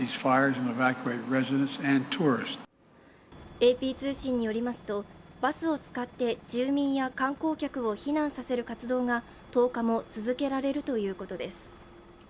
ＡＰ通信によりますと、バスを使って住民や観光客を避難させる活動が１０日も続けられるということです。